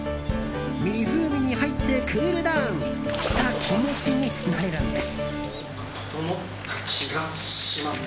湖に入ってクールダウンした気持ちになれるんです。